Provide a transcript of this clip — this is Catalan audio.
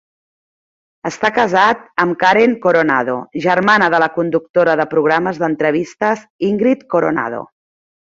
Està casat amb Karen Coronado, germana de la conductora de programes d'entrevistes Ingrid Coronado.